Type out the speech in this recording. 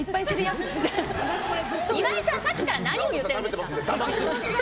岩井さん、さっきから何を言ってるんですか！